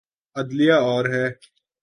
عدلیہ اور ہے۔